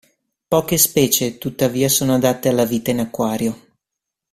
Poche specie tuttavia sono adatte alla vita in acquario.